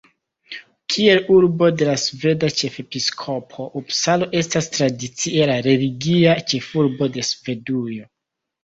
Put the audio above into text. Kiel urbo de la sveda ĉefepiskopo, Upsalo estas tradicie la religia ĉefurbo de Svedujo.